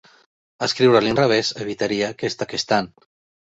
Escriure a l'inrevés evitaria que es taqués tant.